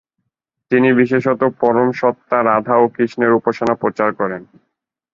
তিনি বিশেষত পরম সত্ত্বা রাধা ও কৃষ্ণের উপাসনা প্রচার করেন।